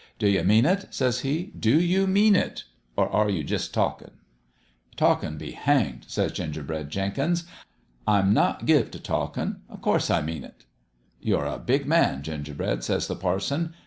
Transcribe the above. ' Do you mean it ?' says he. * Do you mean it or are you talkin' ?'"' Talkin' be hanged I ' says Gingerbread Jenkins. ' I'm not give t' talkin'. O' course, I mean it !'"' You're a big man, Gingerbread/ says the parson.